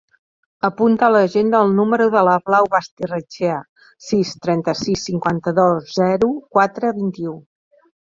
Apunta a l'agenda el número de la Blau Basterrechea: sis, trenta-sis, cinquanta-dos, zero, quatre, vint-i-u.